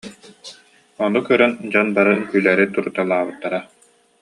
Ону көрөн дьон бары үҥкүүлээри туруталаабыттара